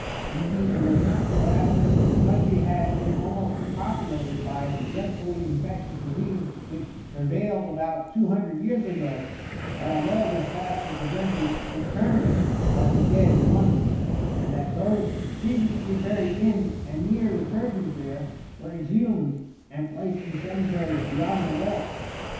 Indeed, it was not till after the country had been almost depopulated by the dreadfully infectious disease which prevail ed about two hundred years ago, that a law was passed to prevent the interment of the dead in London, and that those previous ly buried in and near the churches there, were exhumed and placed in cemeteries beyond the waDs.''